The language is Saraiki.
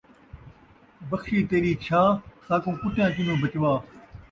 بخشی تیݙی چھا، ساکوں کتیاں کنوں بچوا